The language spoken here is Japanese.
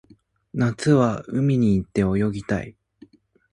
夏は海に行って泳ぎたい